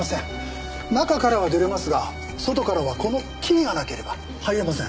中からは出れますが外からはこのキーがなければ入れません。